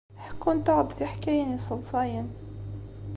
Ḥekkunt-aɣ-d tiḥkayin yesseḍsayen.